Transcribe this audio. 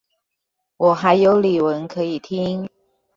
我還有李玟可以聽